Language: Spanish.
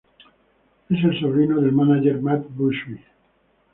Es el sobrino del mánager Matt Busby.